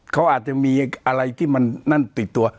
เขาอาจจะมีอะไรที่มันนั่นติดตัว